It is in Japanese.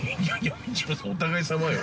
◆お互いさまよ。